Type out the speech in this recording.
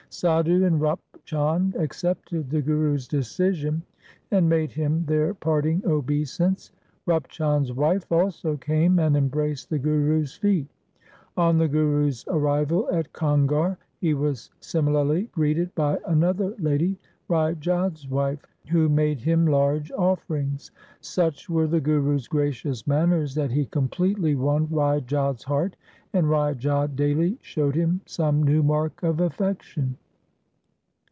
Sadhu and Rup Chand accepted the Guru's decision, and made him their parting obeisance. Rup Chand's wife also came and embraced the Guru's feet. On the Guru's arrival at Kangar he was similarly greeted by another lady, Rai Jodh's wife, who made him large offerings. Such were the Guru's gracious manners that he completely won Rai Jodh's heart, and Rai Jodh daily showed him some new mark of affection.